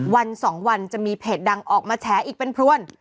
วันสองวันจะมีเพจดังออกมาแฉอีกเป็นพรวน